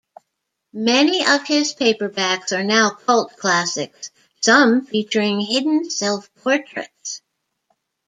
Many of his paperbacks are now cult classics, some featuring hidden self-portraits.